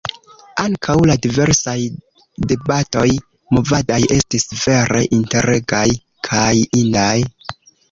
Ankaŭ la diversaj debatoj movadaj estis vere interagaj kaj indaj.